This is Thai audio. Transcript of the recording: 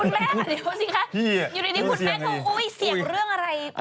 อยู่ในคุณแม่ขอโอ้ยเสียงเรื่องอะไร